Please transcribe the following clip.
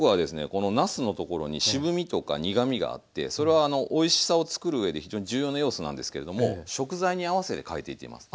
このなすのところに渋みとか苦みがあってそれはおいしさを作る上で非常に重要な要素なんですけれども食材に合わせて変えていってます。